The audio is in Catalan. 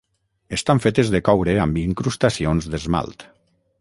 Estan fetes de coure amb incrustacions d'esmalt.